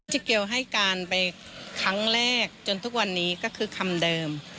เกลให้การไปครั้งแรกจนทุกวันนี้ก็คือคำเดิม